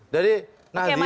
jadi nahdlin itu